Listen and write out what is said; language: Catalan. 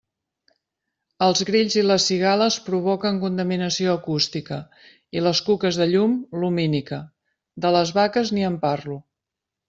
Els grills i les cigales provoquen contaminació acústica i les cuques de llum, lumínica; de les vaques, ni en parlo.